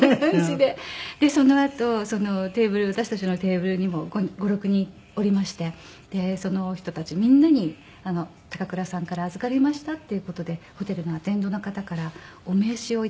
でそのあと私たちのテーブルにも５６人おりましてその人たちみんなに高倉さんから預かりましたっていう事でホテルのアテンドの方からお名刺を頂いたんです。